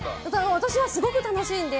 私はすごく楽しんで。